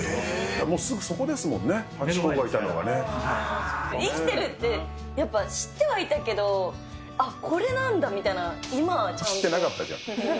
もうすぐそこですもんね、生きてるってやっぱ知ってはいたけど、あっ、これなんだみたいな、知ってなかったじゃん。